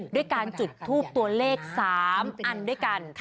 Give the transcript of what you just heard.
ด้วยการจุดทูปตัวเลข๓อันด้วยกัน